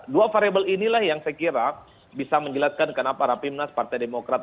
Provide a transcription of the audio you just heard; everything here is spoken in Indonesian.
dua variable inilah yang saya kira bisa menjelaskan kenapa rapimnas partai demokrat